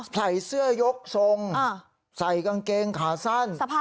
ใส่เสื้อยกทรงใส่กางเกงขาสั้น